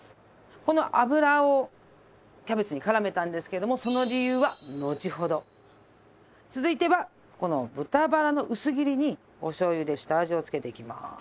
この油をキャベツにからめたんですけれどもその続いてはこの豚バラの薄切りにお醤油で下味をつけていきます。